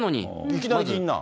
いきなりぎんなん。